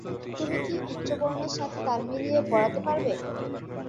তুমি কী উচ্চবর্ণের সাথে তাল মিলিয়ে পড়াতে পারবে?